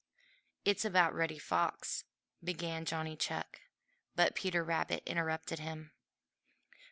"It's about Reddy Fox," began Johnny Chuck, but Peter Rabbit interrupted him.